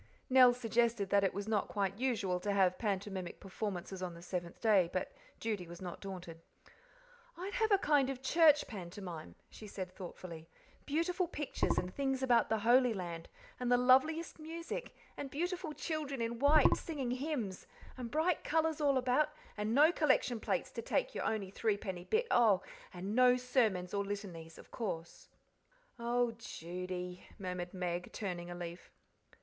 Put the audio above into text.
Nell suggested that it was not quite usual to have pantomimic performances on the seventh day, but Judy was not daunted. "I'd have a kind of church pantomime," she said thoughtfully "beautiful pictures and things about the Holy Land, and the loveliest music, and beautiful children in white, singing hymns, and bright colours all about, and no collection plates to take your only threepenny bit oh! and no sermons or litanies, of course." "Oh, Judy!" murmured Meg, turning a leaf.